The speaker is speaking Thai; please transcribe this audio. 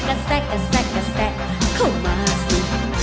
อะแซะแกะแสะเข้ามาซิ